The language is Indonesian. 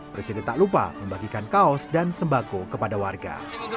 presiden tak lupa membagikan kaos dan sembako kepada warga